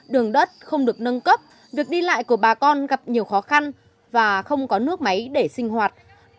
đường đất không được nâng cấp việc đi lại của bà con gặp nhiều khó khăn và không có nước máy để sinh hoạt